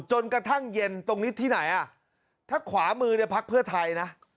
จนกระทั่งเย็นตรงนี้ที่ไหนอ่ะถ้าขวามือเนี่ยพักเพื่อไทยนะ